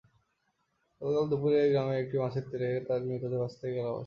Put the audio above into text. গতকাল দুপুরে গ্রামের একটি মাছের ঘেরে তার মৃতদেহ ভাসতে দেখে এলাকাবাসী।